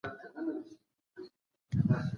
افغان کډوال عادلانه محکمې ته اسانه لاسرسی نه لري.